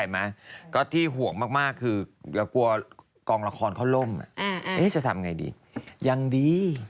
มีแฟนยากแล้วทีนี้